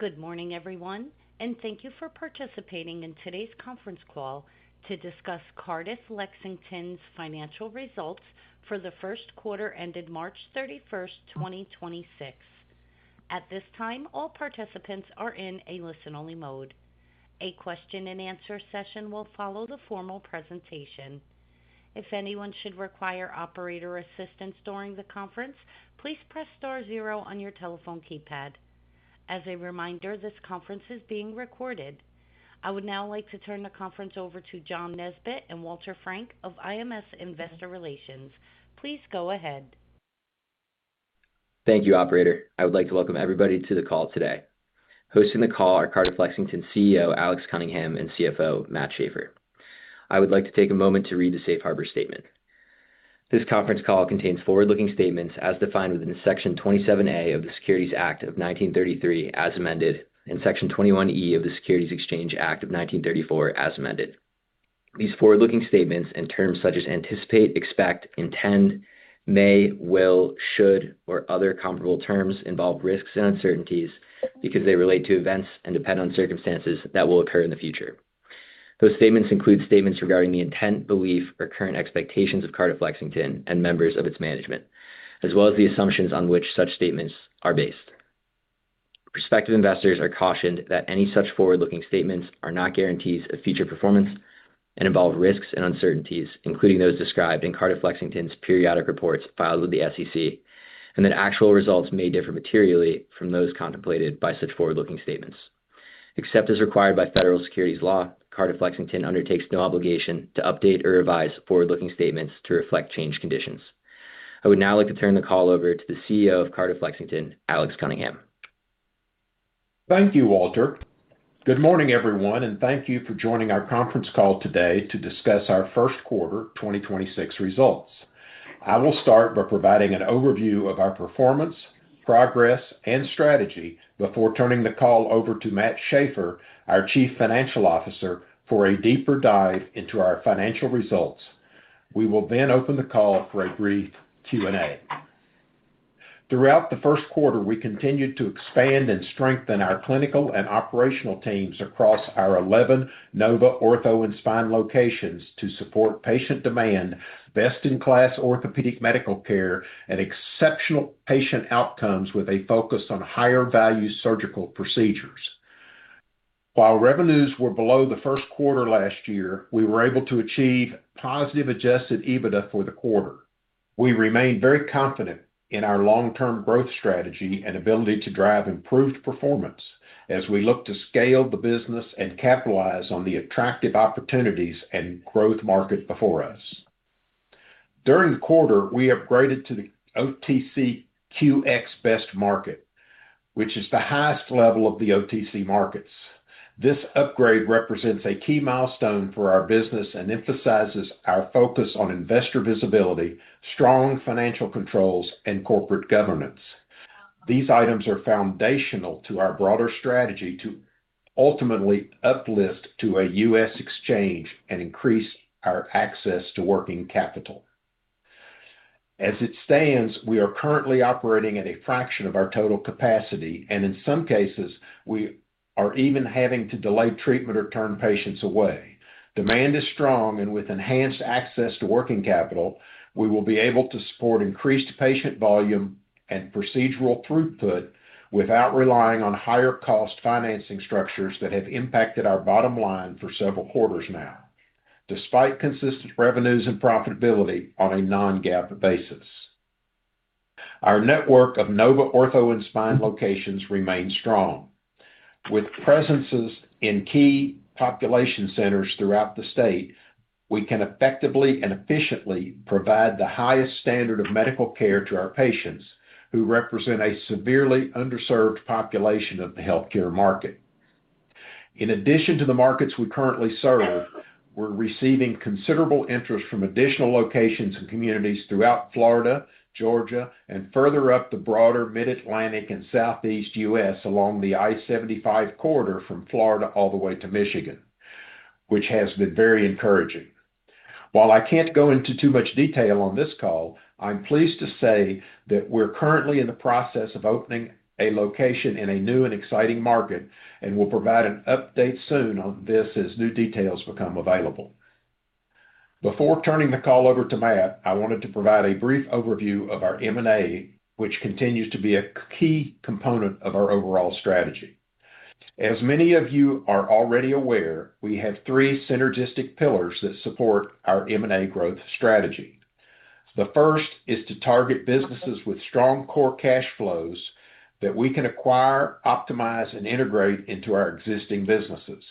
Good morning, everyone, thank you for participating in today's conference call to discuss Cardiff Lexington's Financial Results for the First Quarter ended March 31st, 2026. At this time, all participants are in a listen-only mode. A question-and-answer session will follow the formal presentation. If anyone should require operator assistance during the conference, please press star zero on your telephone keypad. As a reminder, this conference is being recorded. I would now like to turn the conference over to John Nesbett and Walter Frank of IMS Investor Relations. Please go ahead. Thank you, operator. I would like to welcome everybody to the call today. Hosting the call are Cardiff Lexington CEO, Alex Cunningham, and CFO, Matt Shafer. I would like to take a moment to read the safe harbor statement. This conference call contains forward-looking statements as defined within Section 27A of the Securities Act of 1933, as amended, Section 21E of the Securities Exchange Act of 1934, as amended. These forward-looking statements and terms such as anticipate, expect, intend, may, will, should, or other comparable terms, involve risks and uncertainties because they relate to events and depend on circumstances that will occur in the future. Those statements include statements regarding the intent, belief, or current expectations of Cardiff Lexington and members of its management, as well as the assumptions on which such statements are based. Prospective investors are cautioned that any such forward-looking statements are not guarantees of future performance and involve risks and uncertainties, including those described in Cardiff Lexington's periodic reports filed with the SEC, that actual results may differ materially from those contemplated by such forward-looking statements. Except as required by federal securities law, Cardiff Lexington undertakes no obligation to update or revise forward-looking statements to reflect changed conditions. I would now like to turn the call over to the CEO of Cardiff Lexington, Alex Cunningham. Thank you, Walter. Good morning, everyone, thank you for joining our conference call today to discuss our First Quarter 2026 Results. I will start by providing an overview of our performance, progress, and strategy before turning the call over to Matt Shafer, our chief financial officer, for a deeper dive into our financial results. We will open the call for a brief Q&A. Throughout the first quarter, we continued to expand and strengthen our clinical and operational teams across our 11 Nova Ortho and Spine locations to support patient demand, best-in-class orthopedic medical care, and exceptional patient outcomes with a focus on higher-value surgical procedures. While revenues were below the first quarter last year, we were able to achieve positive adjusted EBITDA for the quarter. We remain very confident in our long-term growth strategy and ability to drive improved performance as we look to scale the business and capitalize on the attractive opportunities and growth market before us. During the quarter, we upgraded to the OTCQX Best Market, which is the highest level of the OTC markets. This upgrade represents a key milestone for our business and emphasizes our focus on investor visibility, strong financial controls, and corporate governance. These items are foundational to our broader strategy to ultimately uplist to a U.S. exchange and increase our access to working capital. As it stands, we are currently operating at a fraction of our total capacity, and in some cases, we are even having to delay treatment or turn patients away. Demand is strong, and with enhanced access to working capital, we will be able to support increased patient volume and procedural throughput without relying on higher-cost financing structures that have impacted our bottom line for several quarters now, despite consistent revenues and profitability on a non-GAAP basis. Our network of Nova Ortho and Spine locations remains strong. With presences in key population centers throughout the state, we can effectively and efficiently provide the highest standard of medical care to our patients, who represent a severely underserved population of the healthcare market. In addition to the markets we currently serve, we're receiving considerable interest from additional locations and communities throughout Florida, Georgia, and further up the broader Mid-Atlantic and Southeast U.S., along the I-75 corridor from Florida all the way to Michigan, which has been very encouraging. I can't go into too much detail on this call, I'm pleased to say that we're currently in the process of opening a location in a new and exciting market, and we'll provide an update soon on this as new details become available. Before turning the call over to Matt, I wanted to provide a brief overview of our M&A, which continues to be a key component of our overall strategy. As many of you are already aware, we have three synergistic pillars that support our M&A growth strategy. The first is to target businesses with strong core cash flows that we can acquire, optimize, and integrate into our existing businesses.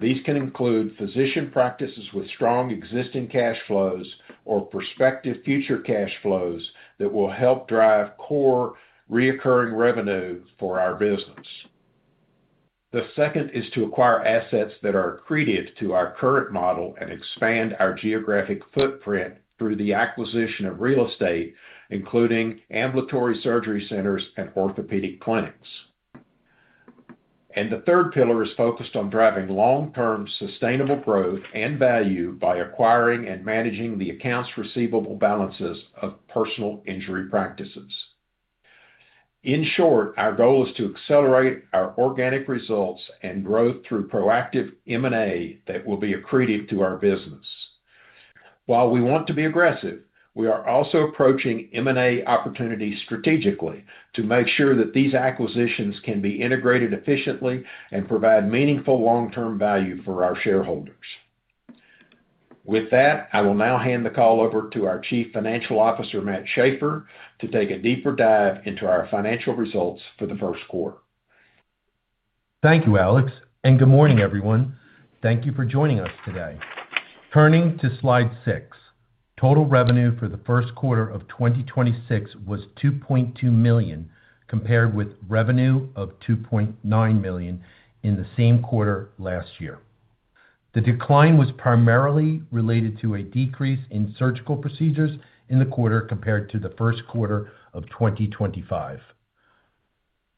These can include physician practices with strong existing cash flows or prospective future cash flows that will help drive core recurring revenue for our business. The second is to acquire assets that are accretive to our current model and expand our geographic footprint through the acquisition of real estate, including ambulatory surgery centers and orthopedic clinics. The third pillar is focused on driving long-term sustainable growth and value by acquiring and managing the accounts receivable balances of personal injury practices. In short, our goal is to accelerate our organic results and growth through proactive M&A that will be accretive to our business. We want to be aggressive, we are also approaching M&A opportunities strategically to make sure that these acquisitions can be integrated efficiently and provide meaningful long-term value for our shareholders. With that, I will now hand the call over to our Chief Financial Officer, Matt Shafer, to take a deeper dive into our financial results for the first quarter. Thank you, Alex, and good morning, everyone. Thank you for joining us today. Turning to Slide six. Total revenue for the first quarter of 2026 was $2.2 million, compared with revenue of $2.9 million in the same quarter last year. The decline was primarily related to a decrease in surgical procedures in the quarter compared to the first quarter of 2025.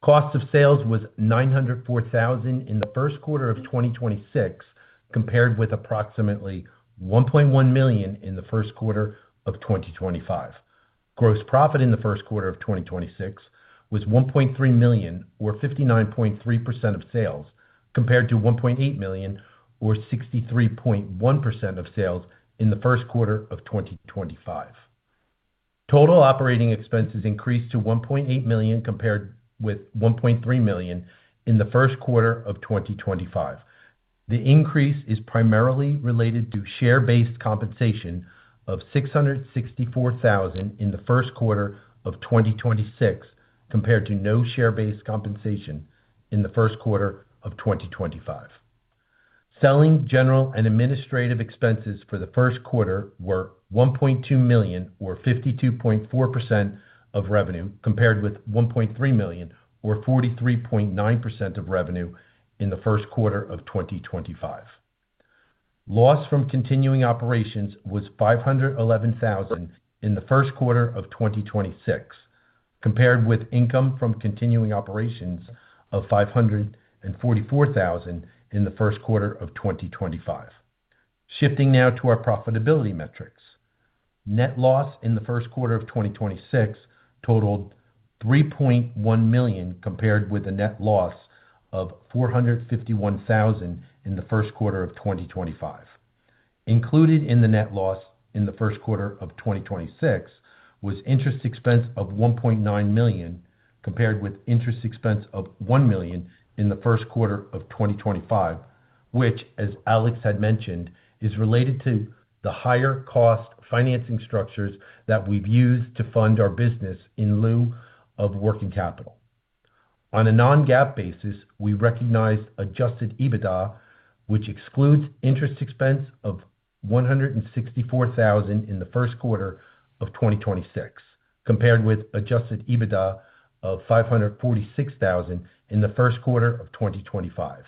Cost of sales was $904,000 in the first quarter of 2026, compared with approximately $1.1 million in the first quarter of 2025. Gross profit in the first quarter of 2026 was $1.3 million, or 59.3% of sales, compared to $1.8 million or 63.1% of sales in the first quarter of 2025. Total operating expenses increased to $1.8 million, compared with $1.3 million in the first quarter of 2025. The increase is primarily related to share-based compensation of $664,000 in the first quarter of 2026, compared to no share-based compensation in the first quarter of 2025. Selling, general, and administrative expenses for the first quarter were $1.2 million, or 52.4% of revenue, compared with $1.3 million, or 43.9% of revenue in the first quarter of 2025. Loss from continuing operations was $511,000 in the first quarter of 2026, compared with income from continuing operations of $544,000 in the first quarter of 2025. Shifting now to our profitability metrics. Net loss in the first quarter of 2026 totaled $3.1 million, compared with a net loss of $451,000 in the first quarter of 2025. Included in the net loss in the first quarter of 2026 was interest expense of $1.9 million, compared with interest expense of $1 million in the first quarter of 2025, which, as Alex had mentioned, is related to the higher cost financing structures that we've used to fund our business in lieu of working capital. On a non-GAAP basis, we recognized adjusted EBITDA, which excludes interest expense of $164,000 in the first quarter of 2026, compared with adjusted EBITDA of $546,000 in the first quarter of 2025.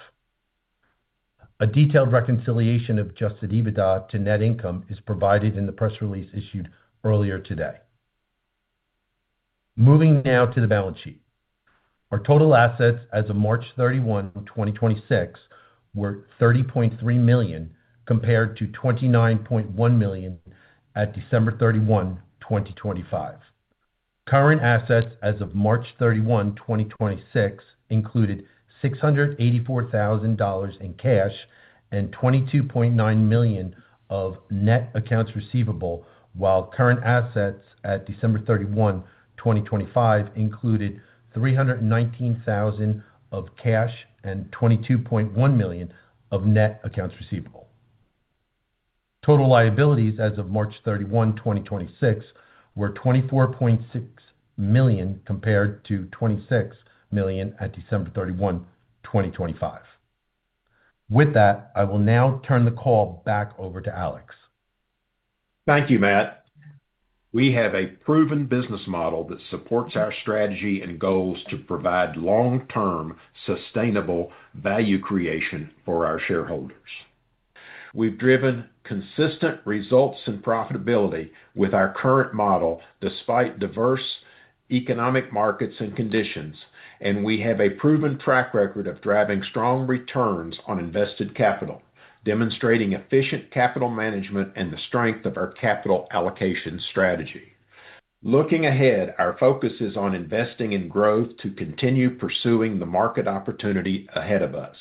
A detailed reconciliation of adjusted EBITDA to net income is provided in the press release issued earlier today. Moving now to the balance sheet. Our total assets as of March 31, 2026, were $30.3 million, compared to $29.1 million at December 31, 2025. Current assets as of March 31, 2026, included $684,000 in cash and $22.9 million of net accounts receivable, while current assets at December 31, 2025, included $319,000 of cash and $22.1 million of net accounts receivable. Total liabilities as of March 31, 2026, were $24.6 million, compared to $26 million at December 31, 2025. With that, I will now turn the call back over to Alex. Thank you, Matt. We have a proven business model that supports our strategy and goals to provide long-term sustainable value creation for our shareholders. We've driven consistent results and profitability with our current model despite diverse economic markets and conditions, and we have a proven track record of driving strong returns on invested capital, demonstrating efficient capital management and the strength of our capital allocation strategy. Looking ahead, our focus is on investing in growth to continue pursuing the market opportunity ahead of us.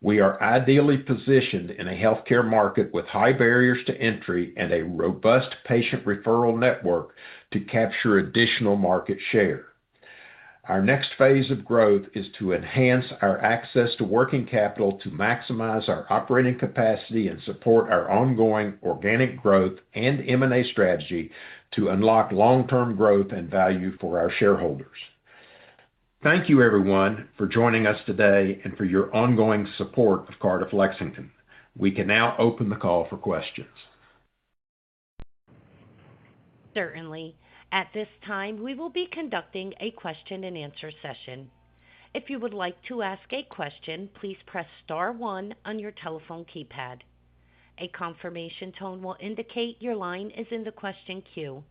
We are ideally positioned in a healthcare market with high barriers to entry and a robust patient referral network to capture additional market share. Our next phase of growth is to enhance our access to working capital to maximize our operating capacity and support our ongoing organic growth and M&A strategy to unlock long-term growth and value for our shareholders. Thank you, everyone, for joining us today and for your ongoing support of Cardiff Lexington. We can now open the call for questions. Certainly. At this time, we will be conducting a question-and-answer session. If you would like to ask a question, please press star one on your telephone keypad. A confirmation tone will indicate your line is in the question queue.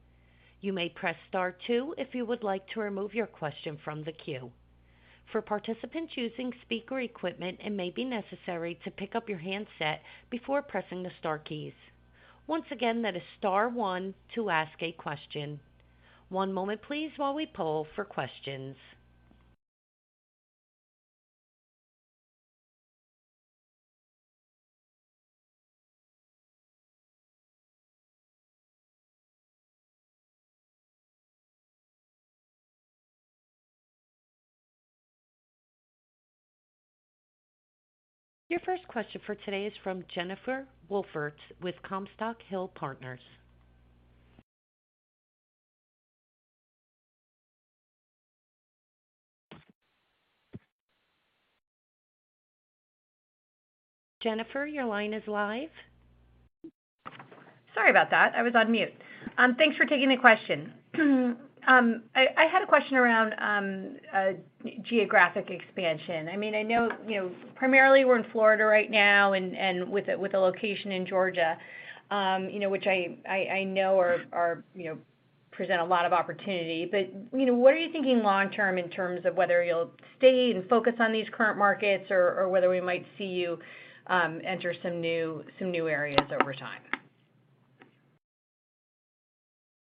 You may press star two if you would like to remove your question from the queue. For participants using speaker equipment, it may be necessary to pick up your handset before pressing the star keys. Once again, that is star one to ask a question. One moment please, while we poll for questions. Your first question for today is from Jennifer Wolfert with Comstock Hill Partners. Jennifer, your line is live. Sorry about that. I was on mute. Thanks for taking the question. I had a question around geographic expansion. I know primarily we're in Florida right now and with a location in Georgia, which I know present a lot of opportunity. What are you thinking long term in terms of whether you'll stay and focus on these current markets or whether we might see you enter some new areas over time?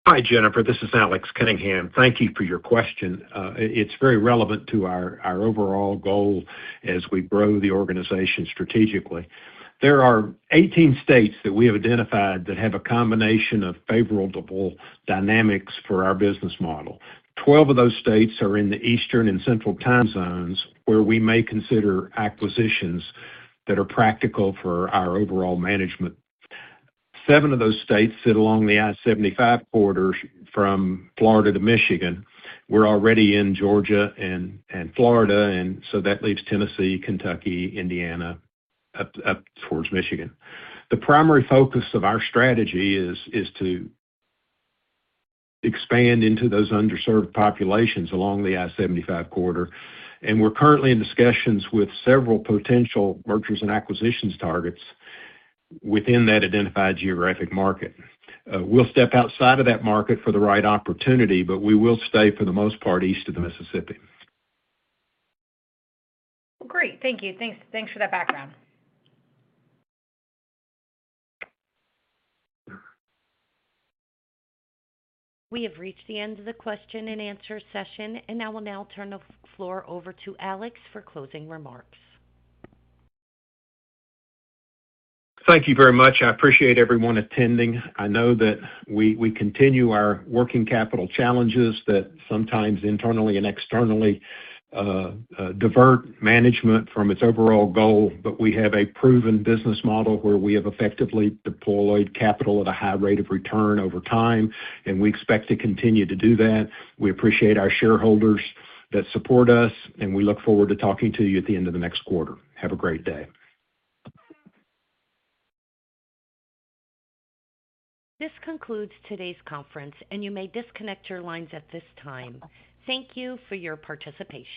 Hi, Jennifer. This is Alex Cunningham. Thank you for your question. It's very relevant to our overall goal as we grow the organization strategically. There are 18 states that we have identified that have a combination of favorable dynamics for our business model. 12 of those states are in the Eastern and Central time zones, where we may consider acquisitions that are practical for our overall management. Seven of those states sit along the I-75 corridor from Florida to Michigan. We're already in Georgia and Florida, that leaves Tennessee, Kentucky, Indiana, up towards Michigan. The primary focus of our strategy is to expand into those underserved populations along the I-75 corridor, we're currently in discussions with several potential mergers and acquisitions targets within that identified geographic market. We'll step outside of that market for the right opportunity, we will stay, for the most part, east of the Mississippi. Great. Thank you. Thanks for that background. We have reached the end of the question-and-answer session, I will now turn the floor over to Alex for closing remarks. Thank you very much. I appreciate everyone attending. I know that we continue our working capital challenges that sometimes internally and externally divert management from its overall goal. We have a proven business model where we have effectively deployed capital at a high rate of return over time, and we expect to continue to do that. We appreciate our shareholders that support us, and we look forward to talking to you at the end of the next quarter. Have a great day. This concludes today's conference. You may disconnect your lines at this time. Thank you for your participation.